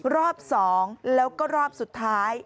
รอบ๒แล้วก็รอบสุดท้าย